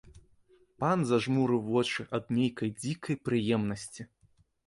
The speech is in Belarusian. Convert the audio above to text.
Пан зажмурыў вочы ад нейкай дзікай прыемнасці.